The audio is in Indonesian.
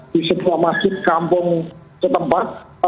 di sebuah masjid kampung setempat